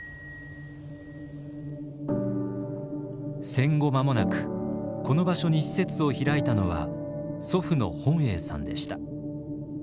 戦後間もなくこの場所に施設を開いたのは祖父の本英さんでした。